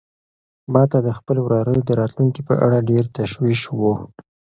ما ته د خپل وراره د راتلونکي په اړه ډېر تشویش و.